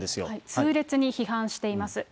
痛烈に批判しています。